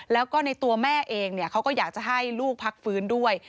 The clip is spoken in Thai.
แล้วก็ในตัวแม่เองเขาก็อยากจะให้ลูกพักฟื้นด้วย